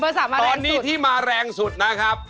เบอร์สามมาแรงสุดตอนนี้ที่มาแรงสุดนะครับ